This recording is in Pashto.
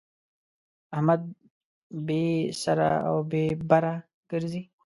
احمد بې سره او بې بره ګرځي.